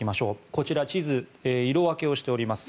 こちら、地図色分けをしております。